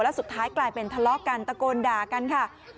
แล้วสุดท้ายกลายเป็นทะเลาะกันตะโกนด่ากันค่ะ